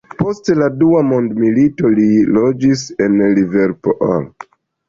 Post la dua mondmilito li loĝis en Liverpool.